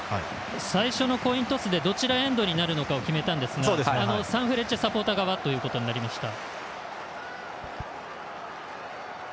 最初のコイントスでどちらエンドになるかを決めたんですがサンフレッチェサポーター側となりました。